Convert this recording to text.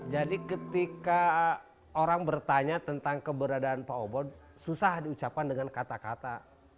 jadi ketika orang bertanya tentang keberadaan pak obot susah diucapkan dengan kata kata